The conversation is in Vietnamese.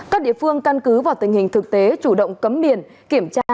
các địa phương căn cứ vào tình hình thực tế chủ động cấm biển kiểm tra